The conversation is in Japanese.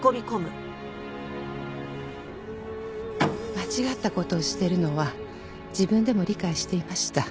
間違った事をしてるのは自分でも理解していました。